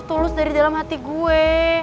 tulus dari dalam hati gue